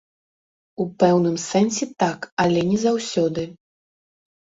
У пэўным сэнсе так, але не заўсёды.